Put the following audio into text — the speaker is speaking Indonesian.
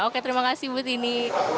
oke terima kasih bu tini